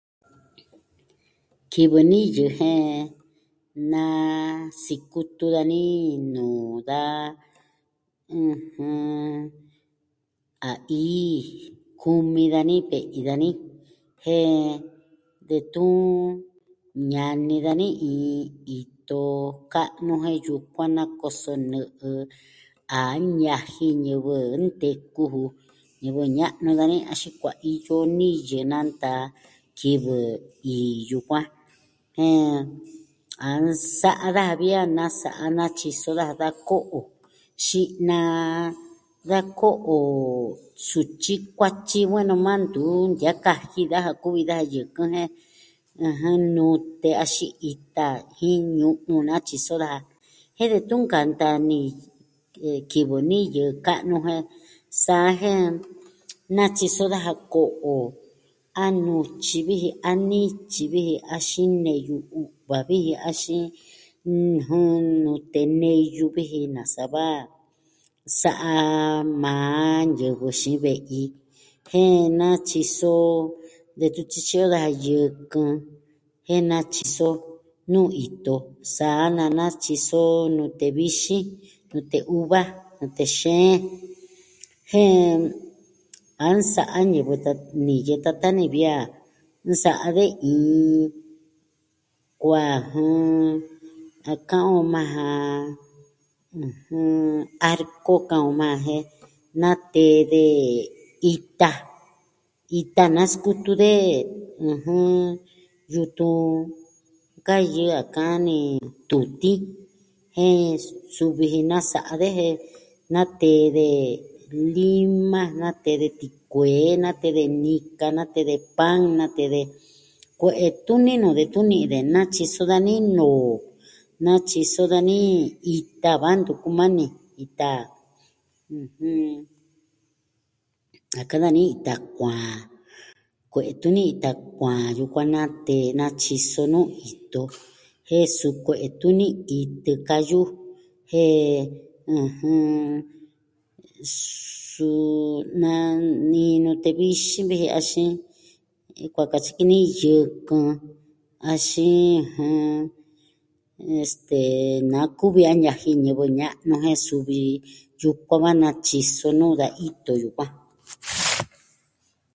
Kivɨ niyɨ jen na sikutu dani nuu da, ɨjɨn, a ii, kumi dani ve'i dani jen detun ñani dani iin ito ka'nu jen yukuan nakoso nɨ'ɨ a ñaji ñivɨ nteku ju, ñivɨ ña'nu dani axin kuaiyo niyɨ nanta kivɨ iin yukuan. jen a nsa'a daja vi a nasa'a natyiso daja da ko'o xi'na, da ko'o sutyi kuatyi va nuu maa ntu ntia'an kaji daja kuvi da yɨkɨn jen, ɨjɨn, nute axin ita jin ñu'un natyiso daja jen detun nkanta ni, kivɨ niyɨ ka'nu jen, sa jen natyiso daja ko'o a nutyi vi ji a nityi vi ji axin ne'yu u'va vi ji axin, ɨjɨn, nute neyu vi ji na sava. Sa'a maa ñivɨ xiin ve'i jen natyiso detun tyityi'yo daja yɨkɨn. Jen natyiso nuu ito sa'a na natyiso nute vixin, nute uva, nute xeen jen a nsa'a ñivɨ tata... niyɨ tata ni vi a nsa'a de iin kua, jɨn, a ka'an on majan, ɨjɨn, arko ka'an on majan jen natee de ita, ita naskutu de, ɨjɨn, yutun kayɨɨ a ka'an ni tutiin jen suu viji nasa'a de jen natee de lima, natee de tikuee, natee de nika, natee de pan, natee de kue'e tuni nuu de tuni de natyiso dani noo, natyiso dani ita, va ntuku maa ni, ita, ɨjɨn, a ka'an dani ita kuaan, kue'e tuni ita kuaan yukuan natee, natyiso nuu ito jen suu kue'e tuni itɨ kayu jen, ɨjɨn, suu nanii nute vixin vi axin, kua katyi ki ni, yɨkɨn, axin, jɨn, este, na kuvi a ñaji ñivɨ ña'nu jen suvi yukuan va natyiso nu da ito yukuan.